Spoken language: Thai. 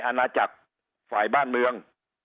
อาณาจักรฝ่ายบ้านเมือง